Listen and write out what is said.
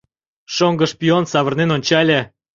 Шоҥго шпион савырнен ончале.